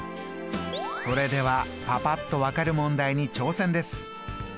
それではパパっと分かる問題に挑戦です。